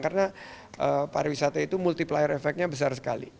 karena pariwisata itu multiplier efeknya besar sekali